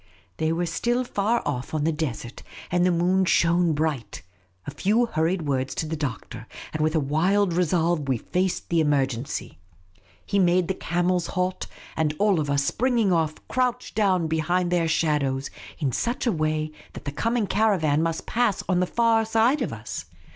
They were still far off on the desert, and the moon shone bright. A few hurried words to the Doctor, and with a wild resolve we faced the emergencj'. He made the camels halt, and all of us, springing off, crouched down behind their shadows in such a way that the coming caravan must pass on the far side of us.